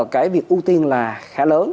cái việc ưu tiên là khá lớn